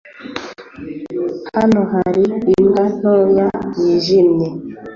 Hano hari imbwa ntoya yijimye.